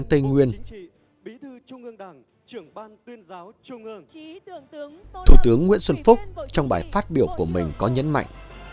thủ tướng nguyễn xuân phúc trong bài phát biểu của mình có nhấn mạnh